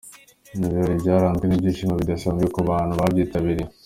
Ni ibirori byaranzwe n'ibyishimo bidasanzwe ku bantu babyitabiriye.